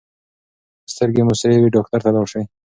که سترګې مو سرې وي ډاکټر ته لاړ شئ.